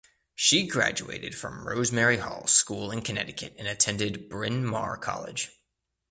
She graduated from Rosemary Hall School in Connecticut and attended Bryn Mawr College.